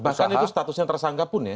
bahkan itu statusnya tersangka pun ya